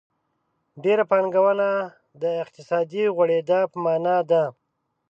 ډېره پانګونه د اقتصادي غوړېدا په مانا ده.